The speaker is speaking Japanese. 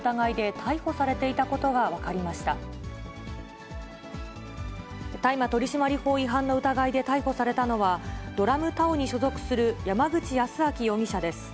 大麻取締法違反の疑いで逮捕されたのは、ＤＲＡＭＴＡＯに所属する、山口泰明容疑者です。